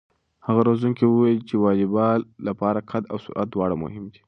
هغه روزونکی وویل چې د واليبال لپاره قد او سرعت دواړه مهم دي.